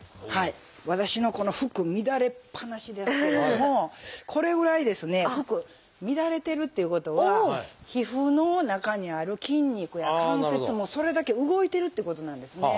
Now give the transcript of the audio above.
私のこの服乱れっぱなしですけれどもこれぐらいですね服乱れてるっていうことは皮膚の中にある筋肉や関節もそれだけ動いてるってことなんですね。